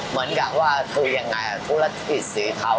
เหมือนกับว่าคือยังไงธุรกิจสีเทา